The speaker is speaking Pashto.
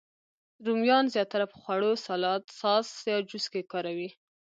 رومیان زیاتره په خوړو، سالاد، ساس، یا جوس کې کاروي